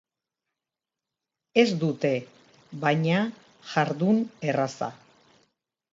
Ez dute, baina, jardun erraza.